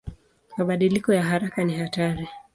Mabadiliko ya haraka ni hatari.